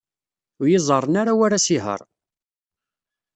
Ur iyi-ẓerren ara war asihaṛ.